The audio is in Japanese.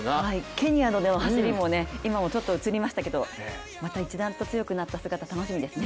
ケニアでの走りも今、映りましたけれどもまた一段と強くなった姿楽しみですね。